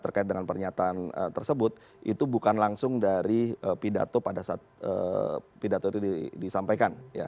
terkait dengan pernyataan tersebut itu bukan langsung dari pidato pada saat pidato itu disampaikan